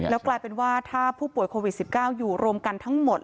แล้วกลายเป็นว่าถ้าผู้ป่วยโควิด๑๙อยู่รวมกันทั้งหมด